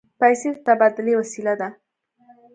پیسې د تبادلې وسیله ده.